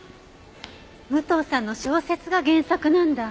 武藤さんの小説が原作なんだ。